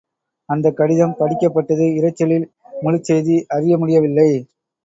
அந்தக் கடிதம் படிக்கப்பட்டது இரைச்சலில் முழுச் செய்தி அறிய முடியவில்லை.